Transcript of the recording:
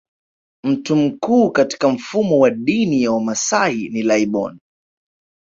Mtu mkuu katika mfumo wa dini ya Wamasai ni laibon